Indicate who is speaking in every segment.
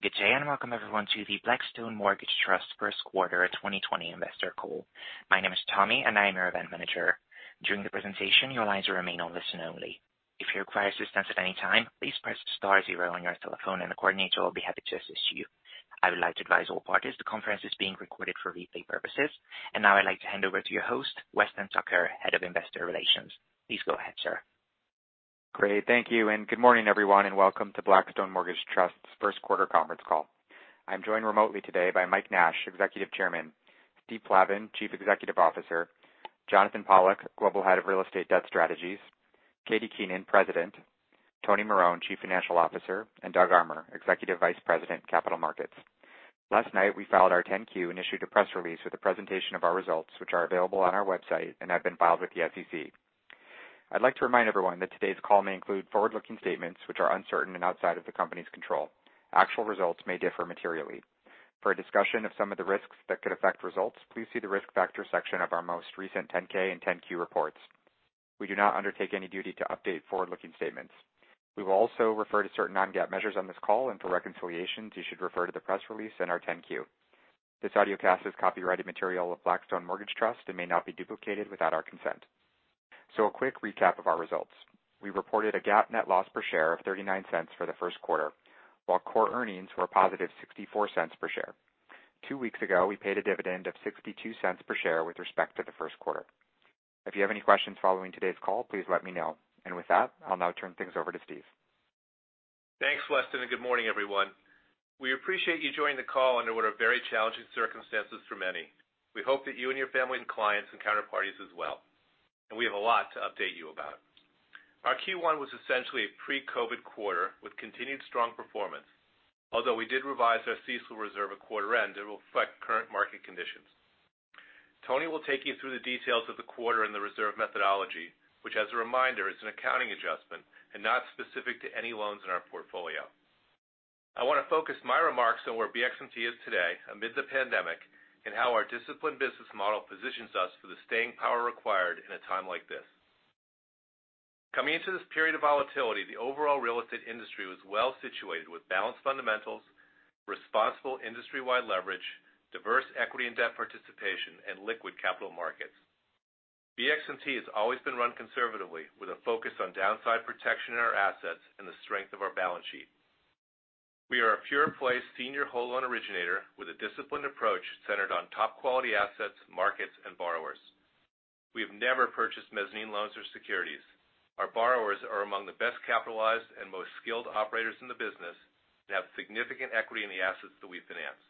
Speaker 1: Good day and welcome everyone to the Blackstone Mortgage Trust first quarter 2020 investor call. My name is Tommy and I am your event manager. During the presentation, your lines will remain on listen only. If you require assistance at any time, please press the star zero on your telephone and a coordinator will be happy to assist you. I would like to advise all parties the conference is being recorded for replay purposes, and now I'd like to hand over to your host, Weston Tucker, Head of Investor Relations. Please go ahead, sir.
Speaker 2: Great, thank you and good morning everyone and welcome to Blackstone Mortgage Trust's first quarter conference call. I'm joined remotely today by Mike Nash, Executive Chairman; Stephen Plavin, Chief Executive Officer; Jonathan Pollack, Global Head of Real Estate Debt Strategies; Katie Keenan, President; Anthony Marone, Chief Financial Officer; and Douglas Armer, Executive Vice President, Capital Markets. Last night we filed our 10-Q and issued a press release with a presentation of our results, which are available on our website and have been filed with the SEC. I'd like to remind everyone that today's call may include forward-looking statements, which are uncertain and outside of the company's control. Actual results may differ materially. For a discussion of some of the risks that could affect results, please see the risk factor section of our most recent 10-K and 10-Q reports. We do not undertake any duty to update forward-looking statements. We will also refer to certain non-GAAP measures on this call, and for reconciliations you should refer to the press release and our 10-Q. This audio cast is copyrighted material of Blackstone Mortgage Trust and may not be duplicated without our consent, so a quick recap of our results. We reported a GAAP net loss per share of $0.39 for the first quarter, while core earnings were a positive $0.64 per share. Two weeks ago we paid a dividend of $0.62 per share with respect to the first quarter. If you have any questions following today's call, please let me know, and with that, I'll now turn things over to Stephen.
Speaker 3: Thanks, Weston, and good morning everyone. We appreciate you joining the call under what are very challenging circumstances for many. We hope that you and your family and clients and counterparties as well, and we have a lot to update you about. Our Q1 was essentially a pre-COVID quarter with continued strong performance, although we did revise our CECL reserve at quarter end to reflect current market conditions. Anthony will take you through the details of the quarter and the reserve methodology, which, as a reminder, is an accounting adjustment and not specific to any loans in our portfolio. I want to focus my remarks on where BXMT is today amid the pandemic and how our disciplined business model positions us for the staying power required in a time like this. Coming into this period of volatility, the overall real estate industry was well situated with balanced fundamentals, responsible industry-wide leverage, diverse equity and debt participation, and liquid capital markets. BXMT has always been run conservatively with a focus on downside protection in our assets and the strength of our balance sheet. We are a pure play senior loan originator with a disciplined approach centered on top quality assets, markets, and borrowers. We have never purchased mezzanine loans or securities. Our borrowers are among the best capitalized and most skilled operators in the business and have significant equity in the assets that we finance.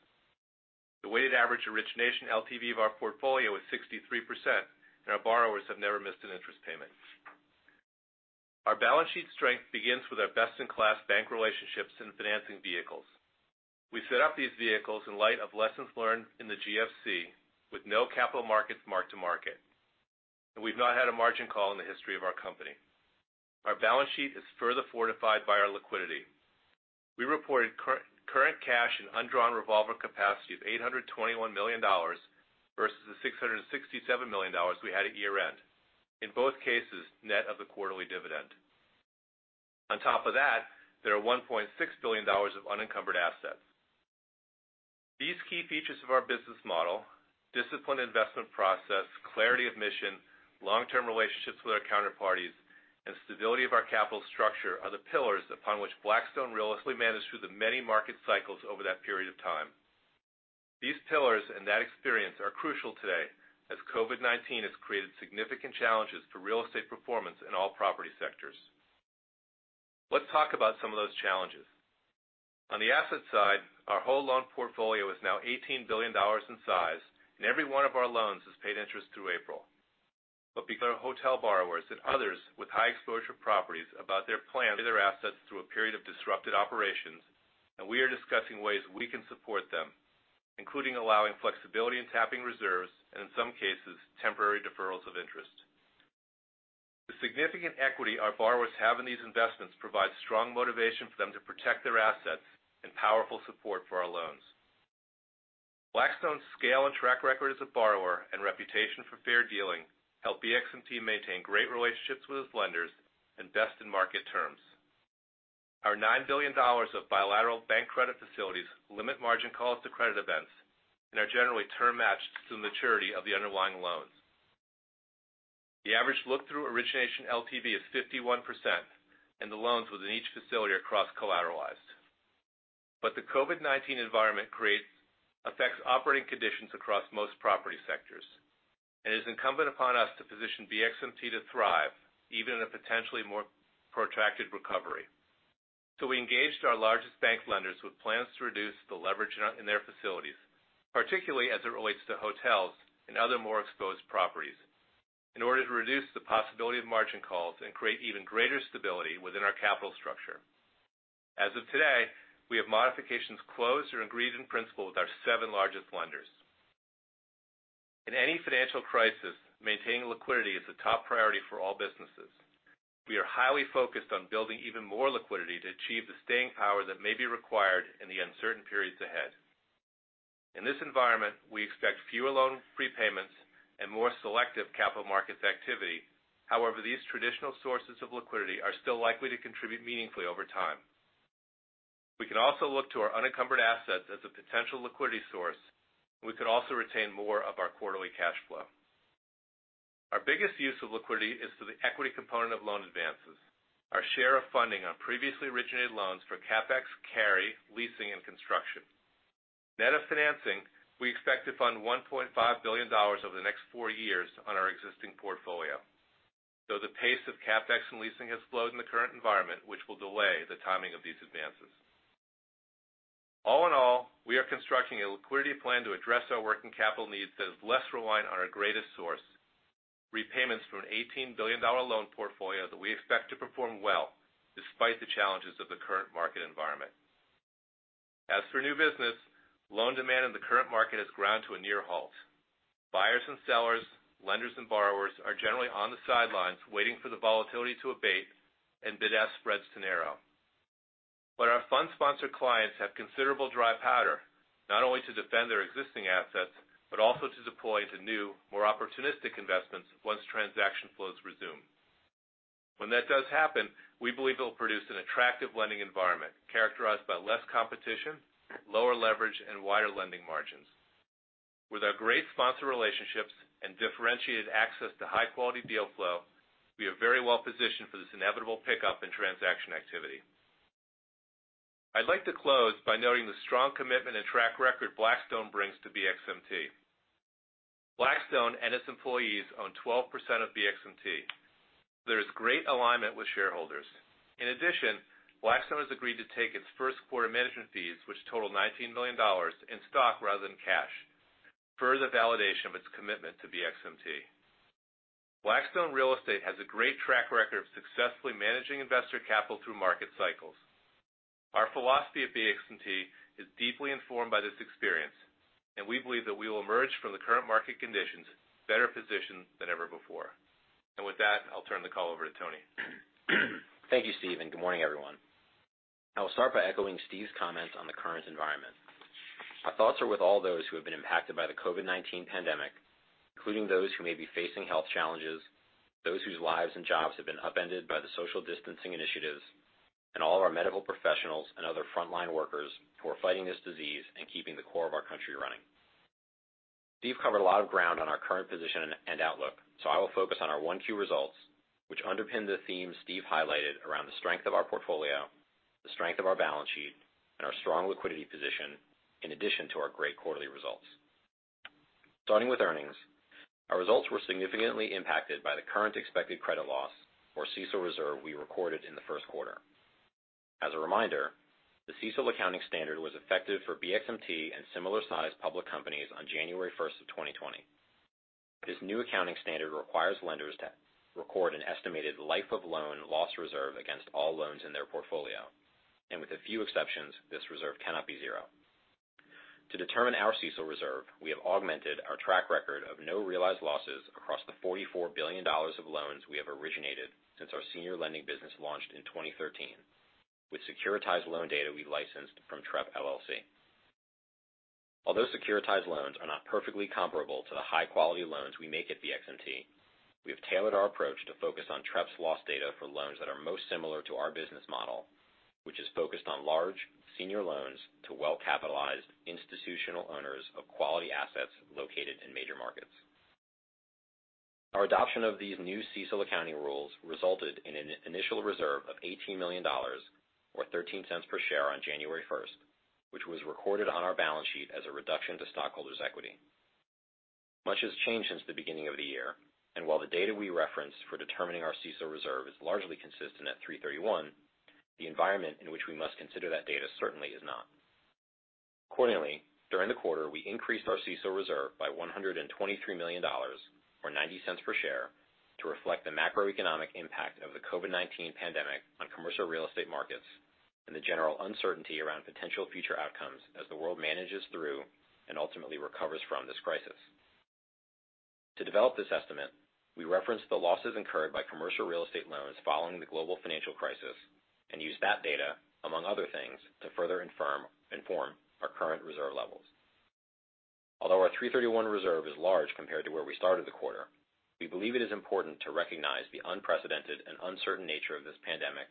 Speaker 3: The weighted average origination LTV of our portfolio is 63%, and our borrowers have never missed an interest payment. Our balance sheet strength begins with our best-in-class bank relationships and financing vehicles. We set up these vehicles in light of lessons learned in the GFC with no capital markets mark to market, and we've not had a margin call in the history of our company. Our balance sheet is further fortified by our liquidity. We reported current cash and undrawn revolver capacity of $821 million versus the $667 million we had at year end, in both cases net of the quarterly dividend. On top of that, there are $1.6 billion of unencumbered assets. These key features of our business model (disciplined investment process, clarity of mission, long-term relationships with our counterparties, and stability of our capital structure) are the pillars upon which Blackstone realistically managed through the many market cycles over that period of time. These pillars and that experience are crucial today as COVID-19 has created significant challenges for real estate performance in all property sectors. Let's talk about some of those challenges. On the asset side, our whole loan portfolio is now $18 billion in size, and every one of our loans has paid interest through April. But because our hotel borrowers and others with high exposure properties about their plans to pay their assets through a period of disrupted operations, we are discussing ways we can support them, including allowing flexibility in tapping reserves and, in some cases, temporary deferrals of interest. The significant equity our borrowers have in these investments provides strong motivation for them to protect their assets and powerful support for our loans. Blackstone's scale and track record as a borrower and reputation for fair dealing help BXMT maintain great relationships with its lenders and best in market terms. Our $9 billion of bilateral bank credit facilities limit margin calls to credit events and are generally term matched to the maturity of the underlying loans. The average look-through origination LTV is 51%, and the loans within each facility are cross-collateralized. But the COVID-19 environment affects operating conditions across most property sectors, and it is incumbent upon us to position BXMT to thrive even in a potentially more protracted recovery. So we engaged our largest bank lenders with plans to reduce the leverage in their facilities, particularly as it relates to hotels and other more exposed properties, in order to reduce the possibility of margin calls and create even greater stability within our capital structure. As of today, we have modifications closed or agreed in principle with our seven largest lenders. In any financial crisis, maintaining liquidity is the top priority for all businesses. We are highly focused on building even more liquidity to achieve the staying power that may be required in the uncertain periods ahead. In this environment, we expect fewer loan prepayments and more selective capital markets activity. However, these traditional sources of liquidity are still likely to contribute meaningfully over time. We can also look to our unencumbered assets as a potential liquidity source, and we could also retain more of our quarterly cash flow. Our biggest use of liquidity is for the equity component of loan advances, our share of funding on previously originated loans for CapEx, carry, leasing, and construction. Net of financing, we expect to fund $1.5 billion over the next four years on our existing portfolio, though the pace of CapEx and leasing has slowed in the current environment, which will delay the timing of these advances. All in all, we are constructing a liquidity plan to address our working capital needs that is less reliant on our greatest source: repayments from an $18 billion loan portfolio that we expect to perform well despite the challenges of the current market environment. As for new business, loan demand in the current market has ground to a near halt. Buyers and sellers, lenders and borrowers are generally on the sidelines waiting for the volatility to abate and bid-ask spreads to narrow. But our fund-sponsored clients have considerable dry powder, not only to defend their existing assets but also to deploy into new, more opportunistic investments once transaction flows resume. When that does happen, we believe it will produce an attractive lending environment characterized by less competition, lower leverage, and wider lending margins. With our great sponsor relationships and differentiated access to high-quality deal flow, we are very well positioned for this inevitable pickup in transaction activity. I'd like to close by noting the strong commitment and track record Blackstone brings to BXMT. Blackstone and its employees own 12% of BXMT, so there is great alignment with shareholders. In addition, Blackstone has agreed to take its first quarter management fees, which total $19 million, in stock rather than cash, further validation of its commitment to BXMT. Blackstone Real Estate has a great track record of successfully managing investor capital through market cycles. Our philosophy at BXMT is deeply informed by this experience, and we believe that we will emerge from the current market conditions better positioned than ever before, and with that, I'll turn the call over to Anthony.
Speaker 4: Thank you, Stephen, and good morning everyone. I will start by echoing Stephen's comments on the current environment. Our thoughts are with all those who have been impacted by the COVID-19 pandemic, including those who may be facing health challenges, those whose lives and jobs have been upended by the social distancing initiatives, and all of our medical professionals and other frontline workers who are fighting this disease and keeping the core of our country running. Stephen covered a lot of ground on our current position and outlook, so I will focus on our 1Q results, which underpin the themes Stephen highlighted around the strength of our portfolio, the strength of our balance sheet, and our strong liquidity position, in addition to our great quarterly results. Starting with earnings, our results were significantly impacted by the current expected credit loss or CECL reserve we recorded in the first quarter. As a reminder, the CECL accounting standard was effective for BXMT and similar-sized public companies on January 1st of 2020. This new accounting standard requires lenders to record an estimated life of loan loss reserve against all loans in their portfolio, and with a few exceptions, this reserve cannot be zero. To determine our CECL reserve, we have augmented our track record of no realized losses across the $44 billion of loans we have originated since our senior lending business launched in 2013, with securitized loan data we licensed from Trepp, LLC. Although securitized loans are not perfectly comparable to the high-quality loans we make at BXMT, we have tailored our approach to focus on Trepp's loss data for loans that are most similar to our business model, which is focused on large, senior loans to well-capitalized, institutional owners of quality assets located in major markets. Our adoption of these new CECL accounting rules resulted in an initial reserve of $18 million or $0.13 per share on January 1st, which was recorded on our balance sheet as a reduction to stockholders' equity. Much has changed since the beginning of the year, and while the data we referenced for determining our CECL reserve is largely consistent at 331, the environment in which we must consider that data certainly is not. Accordingly, during the quarter, we increased our CECL reserve by $123 million or $0.90 per share to reflect the macroeconomic impact of the COVID-19 pandemic on commercial real estate markets and the general uncertainty around potential future outcomes as the world manages through and ultimately recovers from this crisis. To develop this estimate, we referenced the losses incurred by commercial real estate loans following the global financial crisis and used that data, among other things, to further inform our current reserve levels. Although our $331 million reserve is large compared to where we started the quarter, we believe it is important to recognize the unprecedented and uncertain nature of this pandemic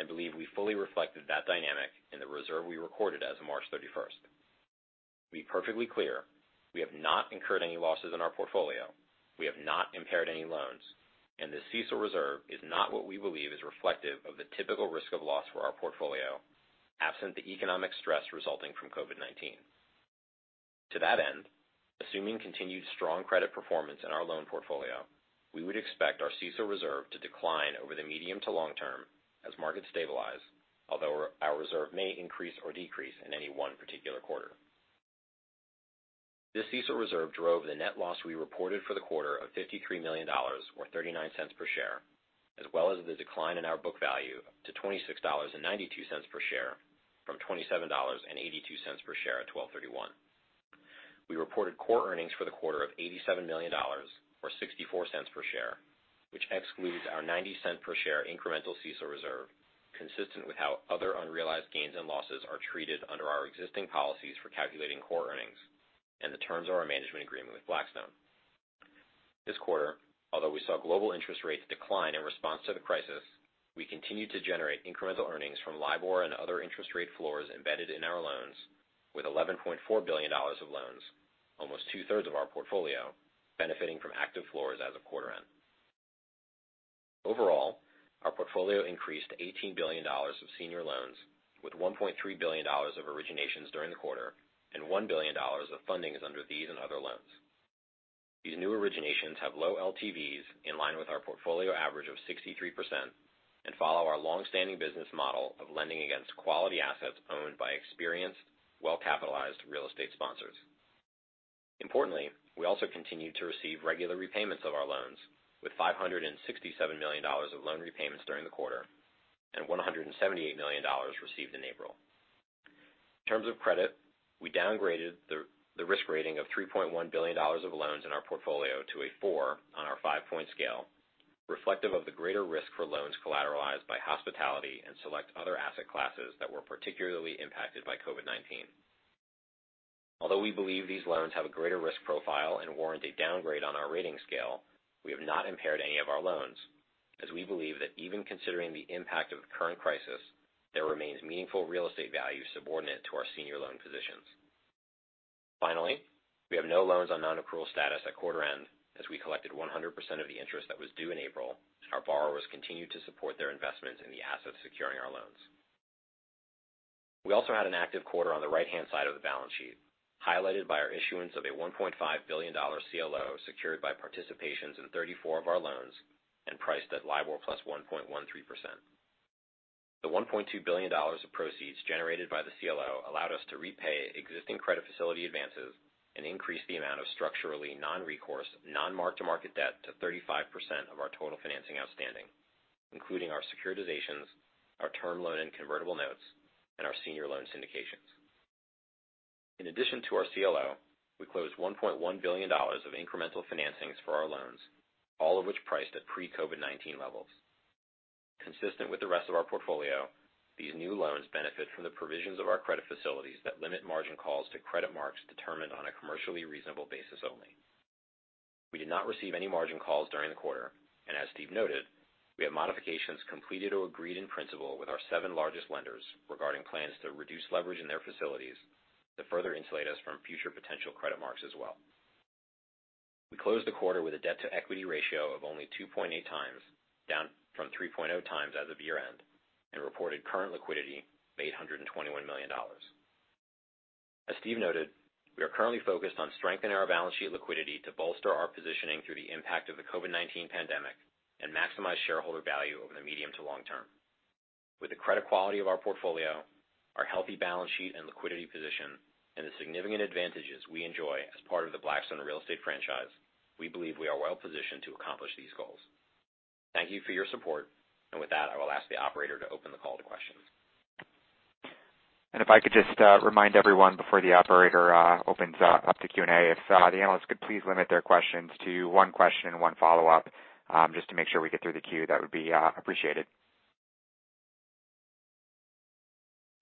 Speaker 4: and believe we fully reflected that dynamic in the reserve we recorded as of March 31st. To be perfectly clear, we have not incurred any losses in our portfolio, we have not impaired any loans, and this CECL reserve is not what we believe is reflective of the typical risk of loss for our portfolio, absent the economic stress resulting from COVID-19. To that end, assuming continued strong credit performance in our loan portfolio, we would expect our CECL reserve to decline over the medium to long term as markets stabilize, although our reserve may increase or decrease in any one particular quarter. This CECL reserve drove the net loss we reported for the quarter of $53 million or $0.39 per share, as well as the decline in our book value to $26.92 per share from $27.82 per share at 12/31. We reported core earnings for the quarter of $87 million or $0.64 per share, which excludes our $0.90 per share incremental CECL reserve, consistent with how other unrealized gains and losses are treated under our existing policies for calculating core earnings and the terms of our management agreement with Blackstone. This quarter, although we saw global interest rates decline in response to the crisis, we continued to generate incremental earnings from LIBOR and other interest rate floors embedded in our loans, with $11.4 billion of loans, almost two-thirds of our portfolio, benefiting from active floors as of quarter end. Overall, our portfolio increased to $18 billion of senior loans, with $1.3 billion of originations during the quarter and $1 billion of fundings under these and other loans. These new originations have low LTVs in line with our portfolio average of 63% and follow our long-standing business model of lending against quality assets owned by experienced, well-capitalized real estate sponsors. Importantly, we also continued to receive regular repayments of our loans, with $567 million of loan repayments during the quarter and $178 million received in April. In terms of credit, we downgraded the risk rating of $3.1 billion of loans in our portfolio to a four on our five-point scale, reflective of the greater risk for loans collateralized by hospitality and select other asset classes that were particularly impacted by COVID-19. Although we believe these loans have a greater risk profile and warrant a downgrade on our rating scale, we have not impaired any of our loans, as we believe that even considering the impact of the current crisis, there remains meaningful real estate value subordinate to our senior loan positions. Finally, we have no loans on nonaccrual status at quarter end, as we collected 100% of the interest that was due in April, and our borrowers continued to support their investments in the assets securing our loans. We also had an active quarter on the right-hand side of the balance sheet, highlighted by our issuance of a $1.5 billion CLO secured by participations in 34 of our loans and priced at LIBOR +1.13%. The $1.2 billion of proceeds generated by the CLO allowed us to repay existing credit facility advances and increase the amount of structurally non-recourse, non-mark-to-market debt to 35% of our total financing outstanding, including our securitizations, our term loan and convertible notes, and our senior loan syndications. In addition to our CLO, we closed $1.1 billion of incremental financings for our loans, all of which priced at pre-COVID-19 levels. Consistent with the rest of our portfolio, these new loans benefit from the provisions of our credit facilities that limit margin calls to credit marks determined on a commercially reasonable basis only. We did not receive any margin calls during the quarter, and as Stephen noted, we have modifications completed or agreed in principle with our seven largest lenders regarding plans to reduce leverage in their facilities to further insulate us from future potential credit marks as well. We closed the quarter with a debt-to-equity ratio of only 2.8 times, down from 3.0 times as of year-end, and reported current liquidity of $821 million. As Stephen noted, we are currently focused on strengthening our balance sheet liquidity to bolster our positioning through the impact of the COVID-19 pandemic and maximize shareholder value over the medium to long term. With the credit quality of our portfolio, our healthy balance sheet and liquidity position, and the significant advantages we enjoy as part of the Blackstone Real Estate Franchise, we believe we are well positioned to accomplish these goals. Thank you for your support, and with that, I will ask the operator to open the call to questions.
Speaker 3: If I could just remind everyone before the operator opens up the Q&A, if the analysts could please limit their questions to one question and one follow-up just to make sure we get through the queue, that would be appreciated.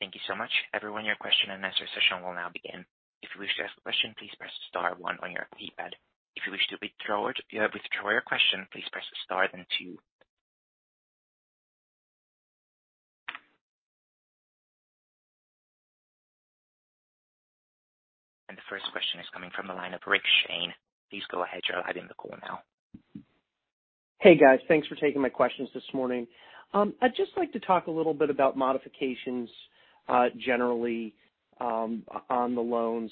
Speaker 1: Thank you so much. Everyone, your question and answer session will now begin. If you wish to ask a question, please press star one on your keypad. If you wish to withdraw your question, please press star then two. And the first question is coming from the line of Rick Shane. Please go ahead; you're live on the call now. Hey, guys. Thanks for taking my questions this morning. I'd just like to talk a little bit about modifications generally on the loans.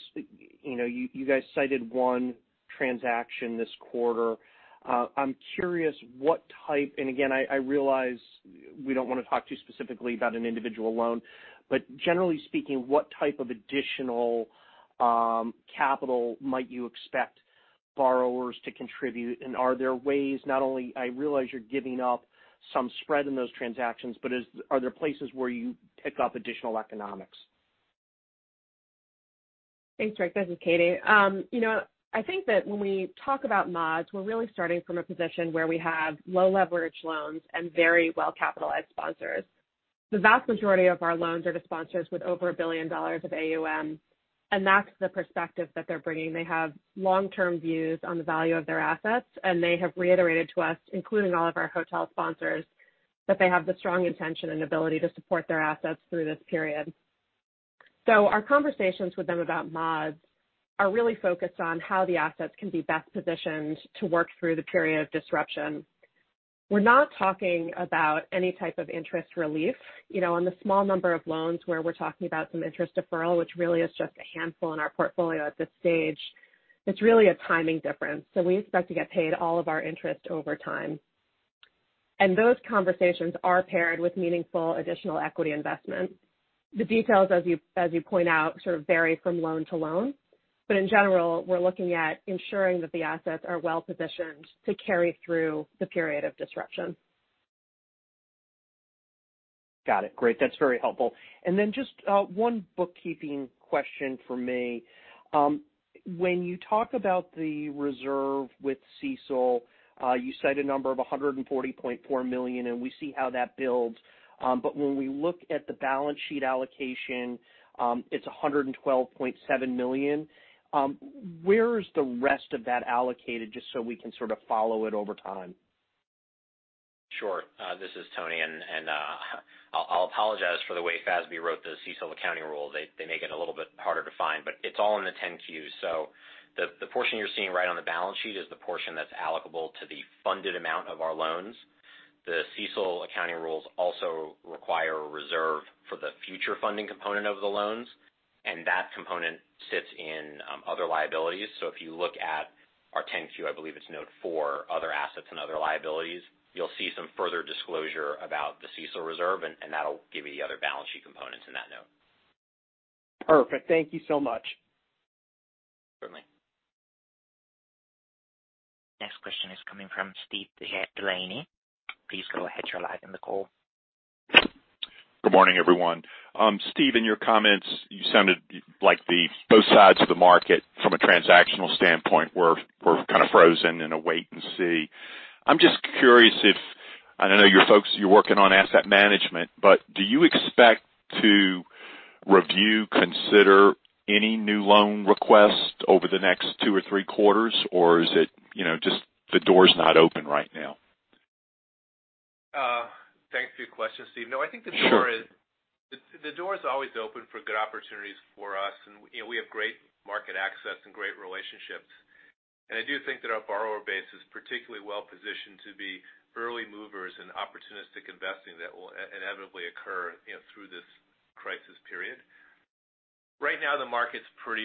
Speaker 1: You guys cited one transaction this quarter. I'm curious what type, and again, I realize we don't want to talk too specifically about an individual loan, but generally speaking, what type of additional capital might you expect borrowers to contribute, and are there ways, not only I realize you're giving up some spread in those transactions, but are there places where you pick up additional economics?
Speaker 5: Thanks, Rick. This is Katie. I think that when we talk about mods, we're really starting from a position where we have low-leverage loans and very well-capitalized sponsors. The vast majority of our loans are to sponsors with over a billion dollars of AUM, and that's the perspective that they're bringing. They have long-term views on the value of their assets, and they have reiterated to us, including all of our hotel sponsors, that they have the strong intention and ability to support their assets through this period. So our conversations with them about mods are really focused on how the assets can be best positioned to work through the period of disruption. We're not talking about any type of interest relief. On the small number of loans where we're talking about some interest deferral, which really is just a handful in our portfolio at this stage, it's really a timing difference. So we expect to get paid all of our interest over time. And those conversations are paired with meaningful additional equity investment. The details, as you point out, sort of vary from loan to loan, but in general, we're looking at ensuring that the assets are well-positioned to carry through the period of disruption. Got it. Great. That's very helpful. And then just one bookkeeping question for me. When you talk about the reserve with CECL, you cite a number of $140.4 million, and we see how that builds. But when we look at the balance sheet allocation, it's $112.7 million. Where is the rest of that allocated, just so we can sort of follow it over time?
Speaker 4: Sure. This is Anthony, and I'll apologize for the way FASB wrote the CECL accounting rules. They make it a little bit harder to find, but it's all in the 10-Qs. So the portion you're seeing right on the balance sheet is the portion that's allocable to the funded amount of our loans. The CECL accounting rules also require a reserve for the future funding component of the loans, and that component sits in other liabilities. So if you look at our 10-Q, I believe it's note four, other assets and other liabilities, you'll see some further disclosure about the CECL reserve, and that'll give you the other balance sheet components in that note. Perfect. Thank you so much. Certainly.
Speaker 1: Next question is coming from Steve DeLaney. Please go ahead. You're live on the call. Good morning, everyone. Steve, in your comments, you sounded like both sides of the market, from a transactional standpoint, were kind of frozen in a wait-and-see. I'm just curious if, and I know you're working on asset management, but do you expect to review, consider any new loan requests over the next two or three quarters, or is it just the door's not open right now?
Speaker 3: Thanks for your question, Steve. No, I think the door's always open for good opportunities for us, and we have great market access and great relationships, and I do think that our borrower base is particularly well-positioned to be early movers in opportunistic investing that will inevitably occur through this crisis period. Right now, the market's pretty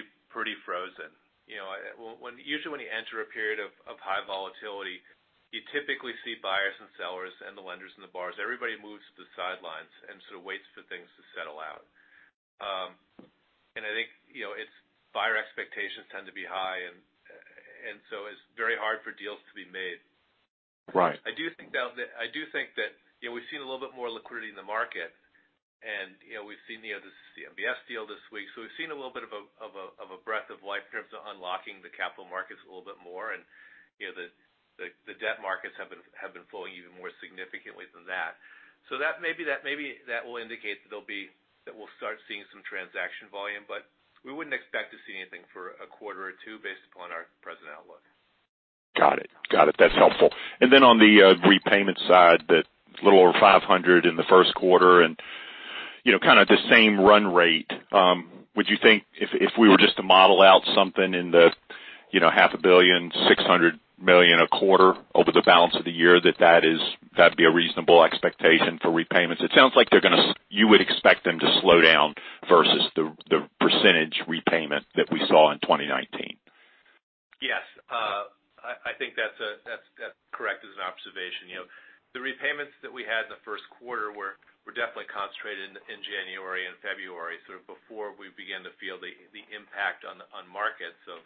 Speaker 3: frozen. Usually, when you enter a period of high volatility, you typically see buyers and sellers and the lenders and the borrowers. Everybody moves to the sidelines and sort of waits for things to settle out, and I think buyer expectations tend to be high, and so it's very hard for deals to be made. I do think that we've seen a little bit more liquidity in the market, and we've seen the MBS deal this week. So we've seen a little bit of a breath of life in terms of unlocking the capital markets a little bit more, and the debt markets have been flowing even more significantly than that. So maybe that will indicate that we'll start seeing some transaction volume, but we wouldn't expect to see anything for a quarter or two based upon our present outlook. Got it. Got it. That's helpful. And then on the repayment side, a little over $500 million in the first quarter and kind of the same run rate, would you think if we were just to model out something in the $500 million-$600 million a quarter over the balance of the year, that that'd be a reasonable expectation for repayments? It sounds like you would expect them to slow down versus the percentage repayment that we saw in 2019. Yes. I think that's correct as an observation. The repayments that we had in the first quarter were definitely concentrated in January and February, sort of before we began to feel the impact on markets of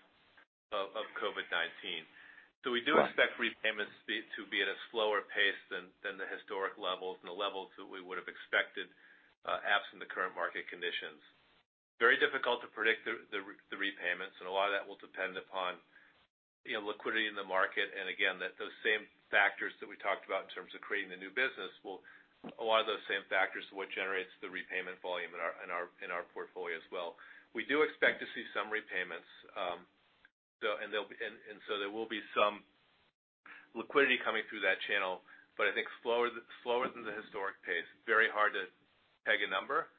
Speaker 3: COVID-19. So we do expect repayments to be at a slower pace than the historic levels and the levels that we would have expected absent the current market conditions. Very difficult to predict the repayments, and a lot of that will depend upon liquidity in the market and, again, those same factors that we talked about in terms of creating the new business. A lot of those same factors are what generates the repayment volume in our portfolio as well. We do expect to see some repayments, and so there will be some liquidity coming through that channel, but I think slower than the historic pace. Very hard to peg a number.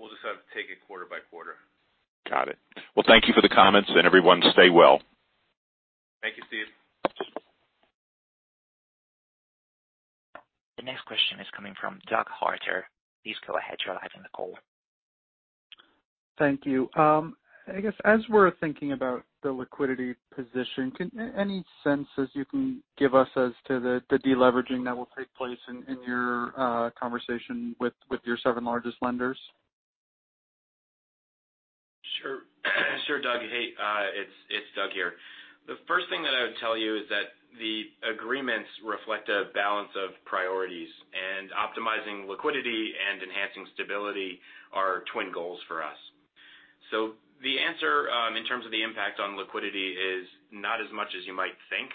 Speaker 3: We'll just sort of take it quarter-by-quarter. Got it. Well, thank you for the comments, and everyone, stay well. Thank you, Steve.
Speaker 1: The next question is coming from Doug Harter. Please go ahead. You're live on the call. Thank you. I guess as we're thinking about the liquidity position, any sense you can give us as to the deleveraging that will take place in your conversation with your seven largest lenders?
Speaker 6: Sure. Sure, Doug. Hey, it's Douglas here. The first thing that I would tell you is that the agreements reflect a balance of priorities, and optimizing liquidity and enhancing stability are twin goals for us. So the answer in terms of the impact on liquidity is not as much as you might think.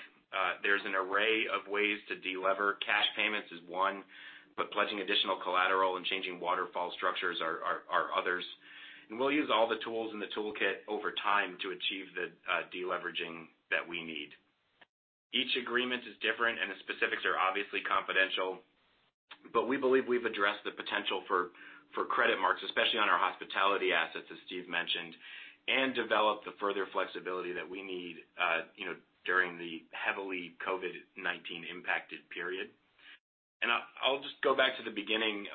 Speaker 6: There's an array of ways to delever. Cash payments is one, but pledging additional collateral and changing waterfall structures are others. And we'll use all the tools in the toolkit over time to achieve the deleveraging that we need. Each agreement is different, and the specifics are obviously confidential, but we believe we've addressed the potential for credit marks, especially on our hospitality assets, as Stephen mentioned, and developed the further flexibility that we need during the heavily COVID-19 impacted period. I'll just go back to the beginning,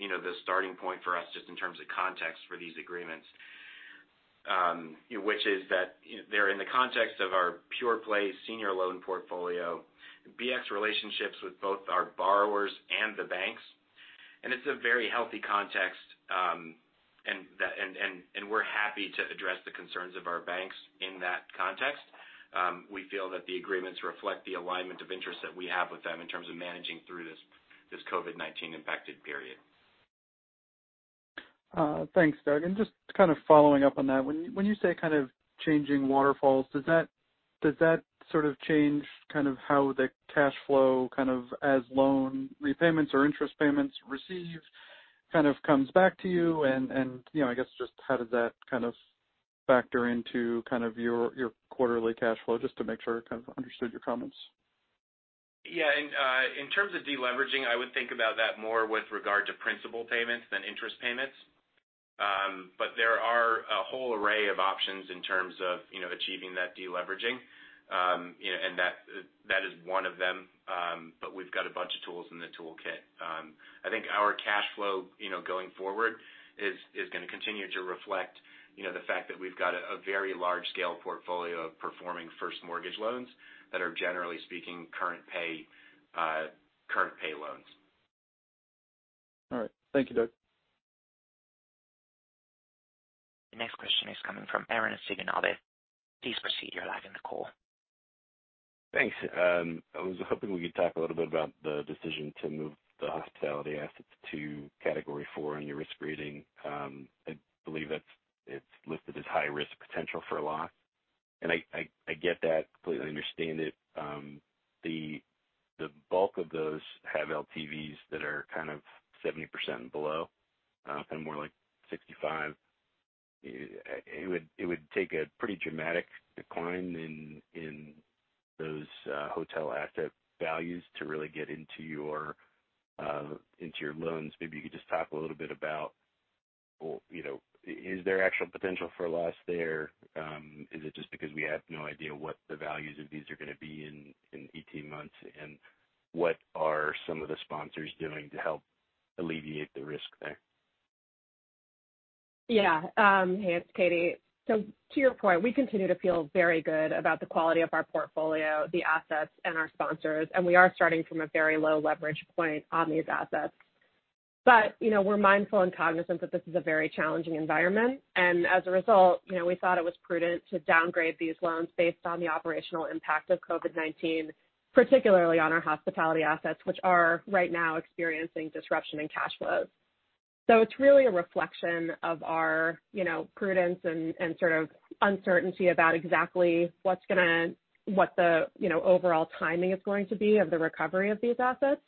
Speaker 6: the starting point for us just in terms of context for these agreements, which is that they're in the context of our pure-play senior loan portfolio, BX relationships with both our borrowers and the banks. It's a very healthy context, and we're happy to address the concerns of our banks in that context. We feel that the agreements reflect the alignment of interest that we have with them in terms of managing through this COVID-19 impacted period. Thanks, Douglas. And just kind of following up on that, when you say kind of changing waterfalls, does that sort of change kind of how the cash flow kind of as loan repayments or interest payments receive kind of comes back to you? And I guess just how does that kind of factor into kind of your quarterly cash flow, just to make sure I kind of understood your comments? Yeah. In terms of deleveraging, I would think about that more with regard to principal payments than interest payments. But there are a whole array of options in terms of achieving that deleveraging, and that is one of them, but we've got a bunch of tools in the toolkit. I think our cash flow going forward is going to continue to reflect the fact that we've got a very large-scale portfolio of performing first mortgage loans that are, generally speaking, current pay loans. All right. Thank you, Douglas.
Speaker 1: The next question is coming from Arren Cyganovich. Please proceed. You're live on the call. Thanks. I was hoping we could talk a little bit about the decision to move the hospitality assets to category four on your risk rating. I believe it's listed as high-risk potential for loss. And I get that. I completely understand it. The bulk of those have LTVs that are kind of 70% and below, kind of more like 65%. It would take a pretty dramatic decline in those hotel asset values to really get into your loans. Maybe you could just talk a little bit about, is there actual potential for loss there? Is it just because we have no idea what the values of these are going to be in 18 months? And what are some of the sponsors doing to help alleviate the risk there?
Speaker 5: Yeah. Hey, it's Katie. So to your point, we continue to feel very good about the quality of our portfolio, the assets, and our sponsors. And we are starting from a very low leverage point on these assets. But we're mindful and cognizant that this is a very challenging environment. And as a result, we thought it was prudent to downgrade these loans based on the operational impact of COVID-19, particularly on our hospitality assets, which are right now experiencing disruption in cash flows. So it's really a reflection of our prudence and sort of uncertainty about exactly what the overall timing is going to be of the recovery of these assets.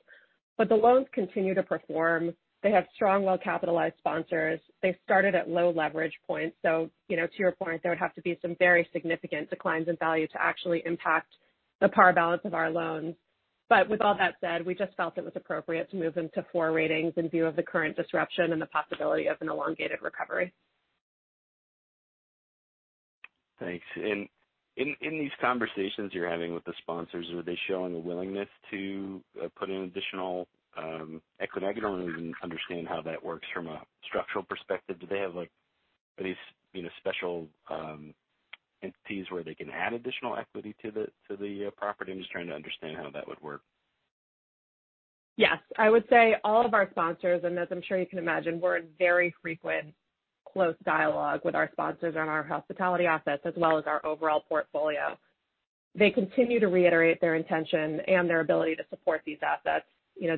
Speaker 5: But the loans continue to perform. They have strong, well-capitalized sponsors. They started at low leverage points. So to your point, there would have to be some very significant declines in value to actually impact the par balance of our loans. But with all that said, we just felt it was appropriate to move them to four ratings in view of the current disruption and the possibility of an elongated recovery. Thanks. And in these conversations you're having with the sponsors, are they showing a willingness to put in additional equity? I can only understand how that works from a structural perspective. Do they have any special entities where they can add additional equity to the property? I'm just trying to understand how that would work. Yes. I would say all of our sponsors, and as I'm sure you can imagine, we're in very frequent close dialogue with our sponsors on our hospitality assets as well as our overall portfolio. They continue to reiterate their intention and their ability to support these assets.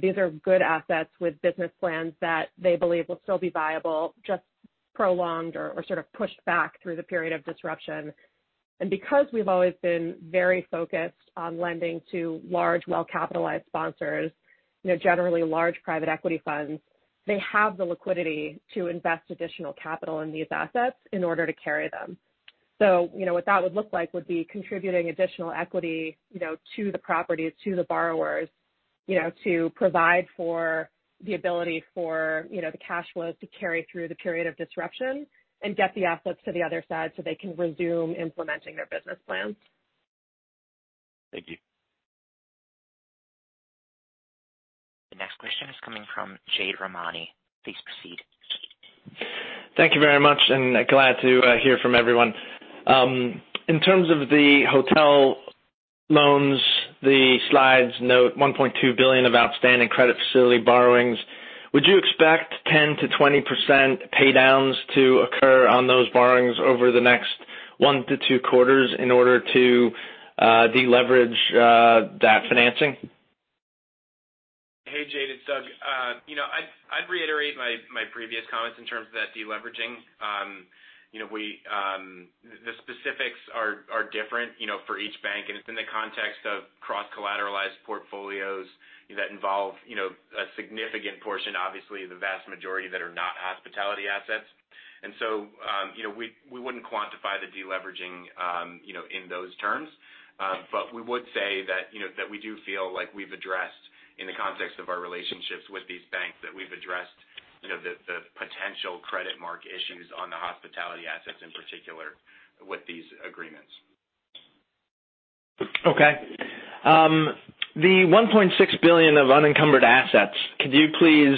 Speaker 5: These are good assets with business plans that they believe will still be viable, just prolonged or sort of pushed back through the period of disruption. And because we've always been very focused on lending to large, well-capitalized sponsors, generally large private equity funds, they have the liquidity to invest additional capital in these assets in order to carry them. What that would look like would be contributing additional equity to the properties, to the borrowers, to provide for the ability for the cash flows to carry through the period of disruption and get the assets to the other side so they can resume implementing their business plans. Thank you.
Speaker 1: The next question is coming from Jade Rahmani. Please proceed. Thank you very much, and glad to hear from everyone. In terms of the hotel loans, the slides note $1.2 billion of outstanding credit facility borrowings. Would you expect 10%-20% paydowns to occur on those borrowings over the next one to two quarters in order to deleverage that financing?
Speaker 6: Hey, Jade, it's Douglas. I'd reiterate my previous comments in terms of that deleveraging. The specifics are different for each bank, and it's in the context of cross-collateralized portfolios that involve a significant portion, obviously the vast majority, that are not hospitality assets, and so we wouldn't quantify the deleveraging in those terms, but we would say that we do feel like we've addressed, in the context of our relationships with these banks, that we've addressed the potential credit market issues on the hospitality assets in particular with these agreements. Okay. The $1.6 billion of unencumbered assets, could you please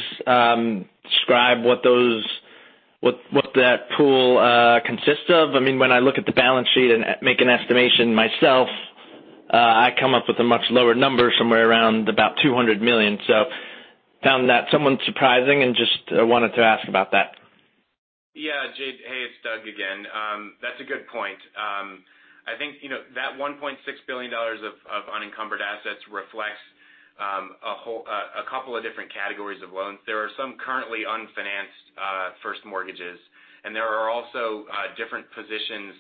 Speaker 6: describe what that pool consists of? I mean, when I look at the balance sheet and make an estimation myself, I come up with a much lower number, somewhere around about $200 million. So found that somewhat surprising and just wanted to ask about that. Yeah. Jade, hey, it's Douglas again. That's a good point. I think that $1.6 billion of unencumbered assets reflects a couple of different categories of loans. There are some currently unfinanced first mortgages, and there are also different positions,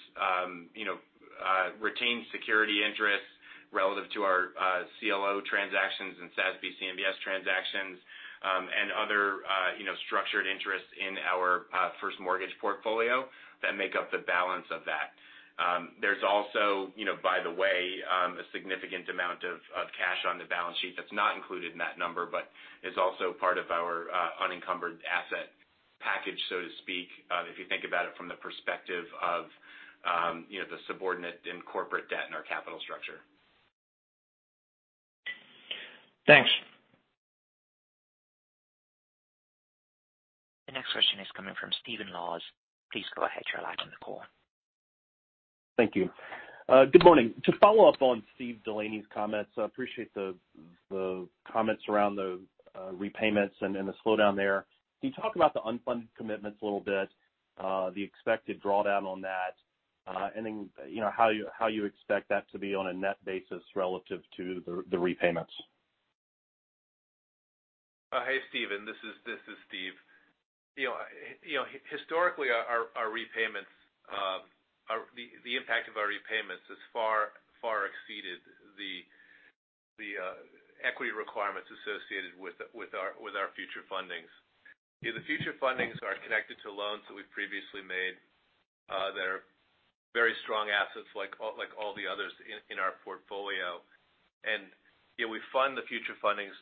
Speaker 6: retained security interests relative to our CLO transactions and SASB CMBS transactions, and other structured interests in our first mortgage portfolio that make up the balance of that. There's also, by the way, a significant amount of cash on the balance sheet that's not included in that number, but is also part of our unencumbered asset package, so to speak, if you think about it from the perspective of the subordinate and corporate debt in our capital structure. Thanks.
Speaker 1: The next question is coming from Stephen Laws. Please go ahead. You're live on the call. Thank you. Good morning. To follow up on Steve DeLaney's comments, I appreciate the comments around the repayments and the slowdown there. Can you talk about the unfunded commitments a little bit, the expected drawdown on that, and then how you expect that to be on a net basis relative to the repayments?
Speaker 3: Hey, Steven. This is Stephen. Historically, the impact of our repayments has far, far exceeded the equity requirements associated with our future fundings. The future fundings are connected to loans that we've previously made that are very strong assets like all the others in our portfolio, and we fund the future fundings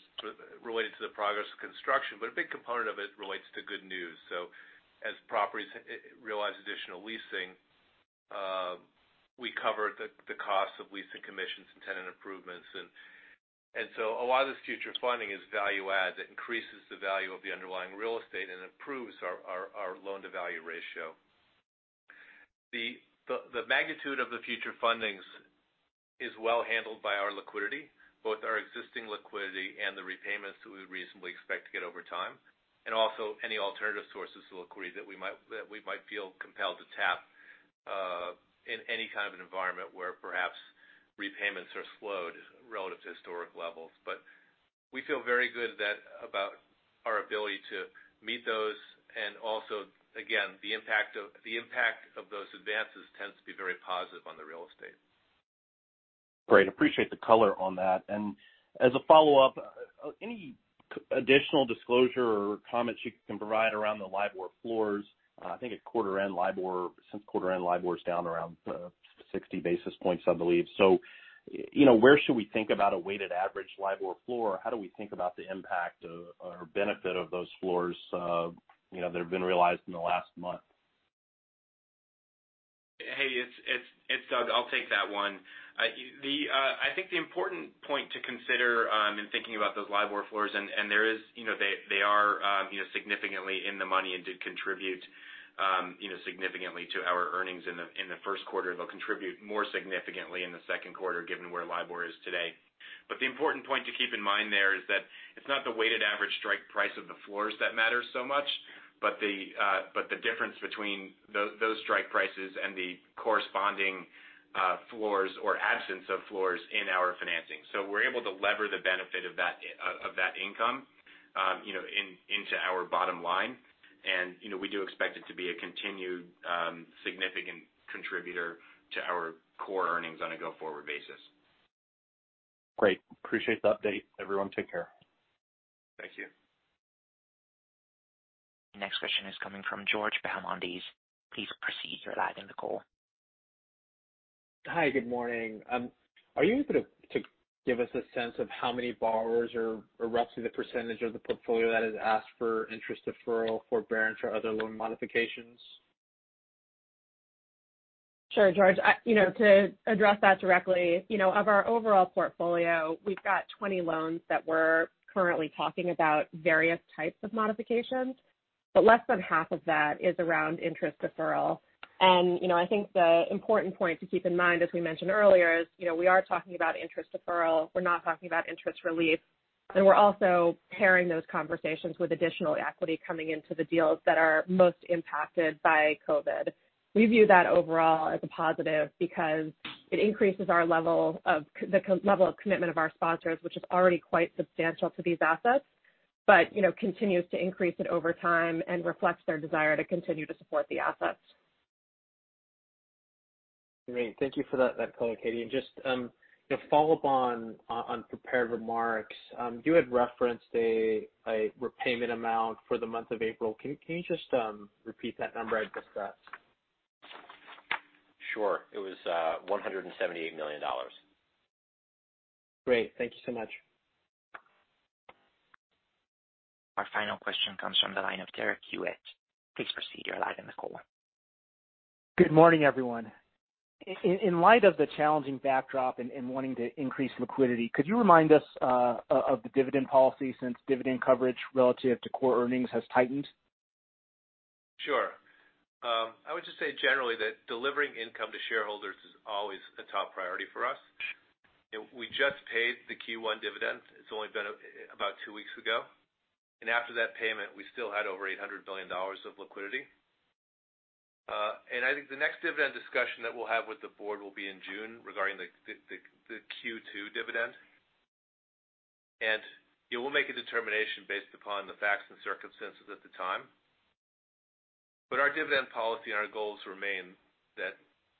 Speaker 3: related to the progress of construction, but a big component of it relates to good news, so as properties realize additional leasing, we cover the cost of leasing commissions and tenant improvements, and so a lot of this future funding is value-add that increases the value of the underlying real estate and improves our loan-to-value ratio. The magnitude of the future fundings is well handled by our liquidity, both our existing liquidity and the repayments that we would reasonably expect to get over time, and also any alternative sources of liquidity that we might feel compelled to tap in any kind of environment where perhaps repayments are slowed relative to historic levels. But we feel very good about our ability to meet those. And also, again, the impact of those advances tends to be very positive on the real estate. Great. Appreciate the color on that. And as a follow-up, any additional disclosure or comments you can provide around the LIBOR floors? I think since quarter-end LIBOR is down around 60 basis points, I believe. So where should we think about a weighted average LIBOR floor? How do we think about the impact or benefit of those floors that have been realized in the last month?
Speaker 6: Hey, it's Douglas. I'll take that one. I think the important point to consider in thinking about those LIBOR floors, and there, they are significantly in the money and did contribute significantly to our earnings in the first quarter. They'll contribute more significantly in the second quarter given where LIBOR is today. But the important point to keep in mind there is that it's not the weighted average strike price of the floors that matters so much, but the difference between those strike prices and the corresponding floors or absence of floors in our financing. So we're able to lever the benefit of that income into our bottom line. And we do expect it to be a continued significant contributor to our core earnings on a go-forward basis. Great. Appreciate the update. Everyone, take care. Thank you.
Speaker 1: The next question is coming from George Bahamondes. Please proceed. You are live on the call. Hi. Good morning. Are you able to give us a sense of how many borrowers or roughly the percentage of the portfolio that has asked for interest deferral, forbearance, or other loan modifications?
Speaker 5: Sure, George. To address that directly, of our overall portfolio, we've got 20 loans that we're currently talking about various types of modifications, but less than half of that is around interest deferral. And I think the important point to keep in mind, as we mentioned earlier, is we are talking about interest deferral. We're not talking about interest relief. And we're also pairing those conversations with additional equity coming into the deals that are most impacted by COVID. We view that overall as a positive because it increases the level of commitment of our sponsors, which is already quite substantial to these assets, but continues to increase it over time and reflects their desire to continue to support the assets. Great. Thank you for that call, Katie. And just to follow up on prepared remarks, you had referenced a repayment amount for the month of April. Can you just repeat that number I just got?
Speaker 4: Sure. It was $178 million.
Speaker 3: Great. Thank you so much.
Speaker 1: Our final question comes from the line of Derek Hewett. Please proceed. You're live on the call. Good morning, everyone. In light of the challenging backdrop and wanting to increase liquidity, could you remind us of the dividend policy since dividend coverage relative to core earnings has tightened?
Speaker 6: Sure. I would just say generally that delivering income to shareholders is always a top priority for us. We just paid the Q1 dividend. It's only been about two weeks ago. And after that payment, we still had over $800 million of liquidity. And I think the next dividend discussion that we'll have with the board will be in June regarding the Q2 dividend. And we'll make a determination based upon the facts and circumstances at the time. But our dividend policy and our goals remain that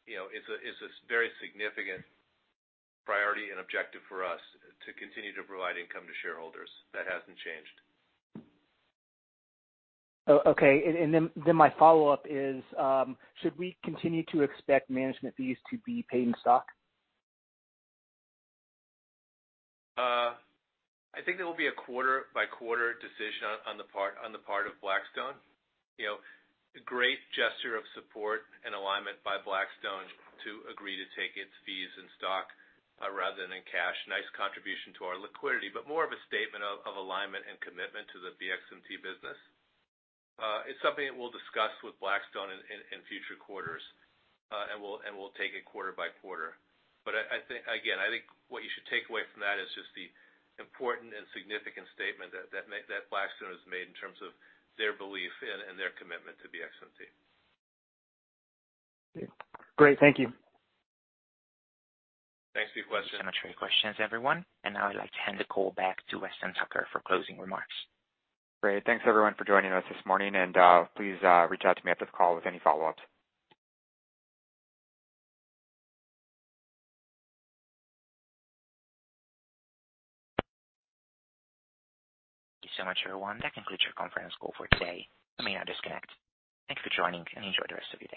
Speaker 6: it's a very significant priority and objective for us to continue to provide income to shareholders. That hasn't changed. Okay. And then my follow-up is, should we continue to expect management fees to be paid in stock?
Speaker 3: I think there will be a quarter-by-quarter decision on the part of Blackstone. Great gesture of support and alignment by Blackstone to agree to take its fees in stock rather than in cash. Nice contribution to our liquidity, but more of a statement of alignment and commitment to the BXMT business. It's something that we'll discuss with Blackstone in future quarters, and we'll take it quarter by quarter. But again, I think what you should take away from that is just the important and significant statement that Blackstone has made in terms of their belief and their commitment to BXMT. Great. Thank you. Thanks for your questions.
Speaker 1: Thanks so much for your questions, everyone. And now I'd like to hand the call back to Weston Tucker for closing remarks.
Speaker 2: Great. Thanks, everyone, for joining us this morning. And please reach out to me at this call with any follow-ups.
Speaker 1: Thank you so much, everyone. That concludes your conference call for today. I may now disconnect. Thanks for joining, and enjoy the rest of your day.